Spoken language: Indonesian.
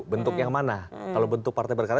bentuk yang mana kalau bentuk partai berkarya